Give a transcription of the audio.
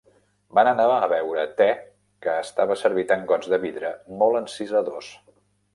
Van anar a beure te, que estava servit en gots de vidre molt encisadors.